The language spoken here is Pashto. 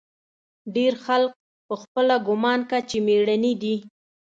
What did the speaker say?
ډېر خلق پخپله ګومان کا چې مېړني دي.